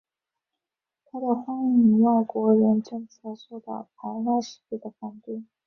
他的欢迎外国人政策受到排外势力的反对。